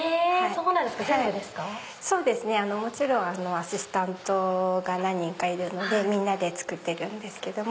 アシスタントが何人かいるのでみんなで作っているんですけども。